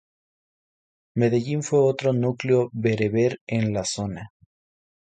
Medellín fue otro núcleo bereber en la zona.